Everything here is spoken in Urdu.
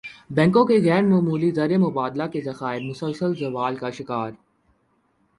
بینکوں کے غیرملکی زرمبادلہ کے ذخائر مسلسل زوال کا شکار